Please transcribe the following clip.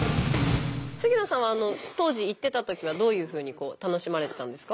杉野さんは当時行ってたときはどういうふうに楽しまれてたんですか？